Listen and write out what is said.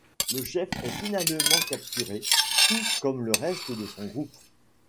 Le chef est finalement capturé, tout comme le reste de son groupe.